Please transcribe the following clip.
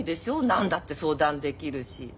何だって相談できるし。